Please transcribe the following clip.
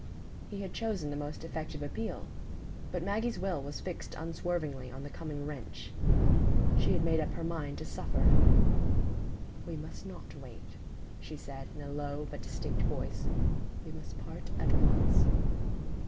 He had chosen the most effective appeal; but Maggie's will was fixed unswervingly on the coming wrench. She had made up her mind to suffer. "We must not wait," she said, in a low but distinct voice; "we must part at once."